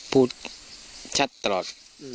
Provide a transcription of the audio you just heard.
พูดชัดตลอด